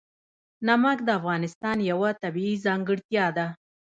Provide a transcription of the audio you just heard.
نمک د افغانستان یوه طبیعي ځانګړتیا ده.